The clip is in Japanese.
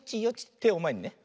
てをまえにね。